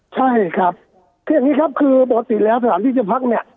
ใช่ครับคืออย่างนี้ครับคือปกติแล้วสถานที่จะพักเนี่ย